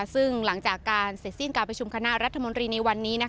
ซึ่งหลังจากการเสร็จสิ้นการประชุมคณะรัฐมนตรีในวันนี้